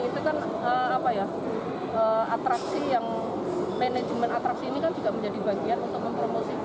itu kan apa ya atraksi yang manajemen atraksi ini kan juga menjadi bagian untuk mempromosikan